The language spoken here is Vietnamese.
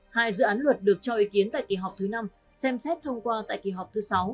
hai dự án luật được cho ý kiến tại kỳ họp thứ năm xem xét thông qua tại kỳ họp thứ sáu